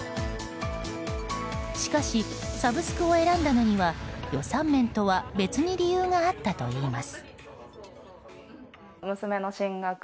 しかし、サブスクを選んだのには予算面とは別に理由があったといいます。